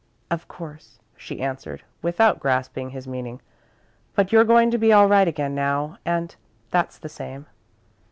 "Of course," she answered, without grasping his meaning, "but you're going to be all right again now, and that's the same."